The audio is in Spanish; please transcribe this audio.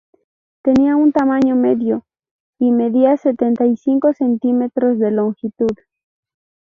Tenía un tamaño medio y medía setenta y cinco centímetros de longitud.